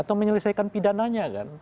atau menyelesaikan pidananya